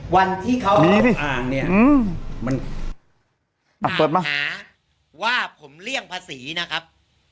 วันที่เขาเดินทางเนี่ยมันเปิดมาหาว่าผมเลี่ยงภาษีนะครับ